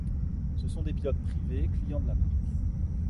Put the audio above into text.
Ce sont des pilotes privés clients de la marque.